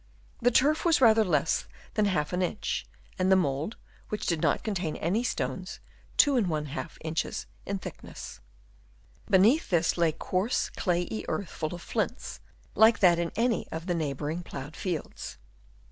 The turf was rather less than half an inch, and the mould, which did not contain any stones, 2J inches in thickness. Beneath this lay coarse clayey earth full of flints, like that in any of the neighbouring ploughed fields.